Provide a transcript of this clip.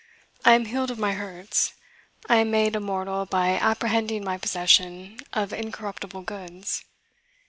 I am healed of my hurts. I am made immortal by apprehending my possession of incorruptible goods.